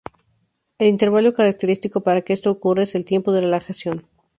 El intervalo característico para que esto ocurra es el tiempo de relajación.